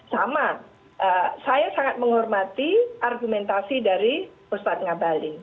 sama saya sangat menghormati argumentasi dari ustadz ngabalin